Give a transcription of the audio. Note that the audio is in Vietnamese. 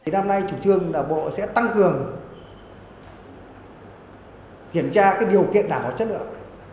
năm nay chủ trương đảm bộ sẽ tăng cường kiểm tra cái điều kiện nào có chất lượng